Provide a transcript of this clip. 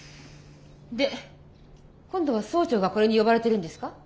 で今度は総長がこれに呼ばれてるんですか？